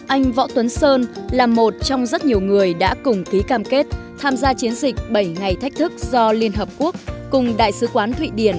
anh võ tuấn sơn là một trong rất nhiều người đã cùng ký cam kết tham gia chiến dịch bảy ngày thách thức do liên hợp quốc cùng đại sứ quán thụy điển